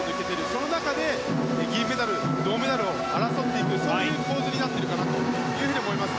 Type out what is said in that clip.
その中で銀メダル、銅メダルを争っていくという構図になっていると思います。